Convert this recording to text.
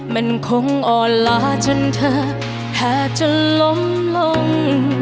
มันคงอ่อนลาจนเธอแทบจะล้มลง